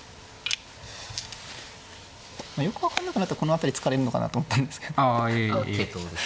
よく分かんなくなったこの辺り突かれるのかなと思ったんですけど。